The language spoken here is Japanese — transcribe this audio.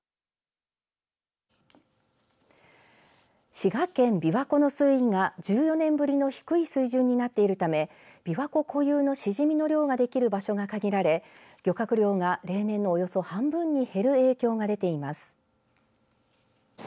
滋賀県、びわ湖の水位が１４年ぶりの低い水準になっているためびわ湖固有のシジミの漁ができる場所が限られ漁獲量が例年のおよそ半分に減る影響が出ています。